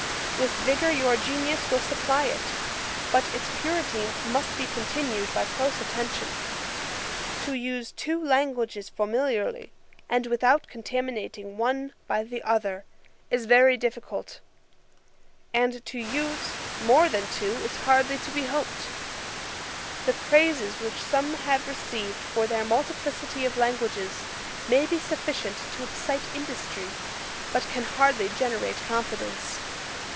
With vigour your genius will supply it; but its purity must be continued by close attention. To use two languages familiarly, and without contaminating one by the other, is very difficult: and to use more than two is hardly to be hoped. The praises which some have received for their multiplicity of languages, may be sufficient to excite industry, but can hardly generate confidence.